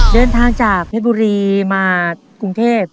เดินทางจากเพชรบุรีมากรุงเทพ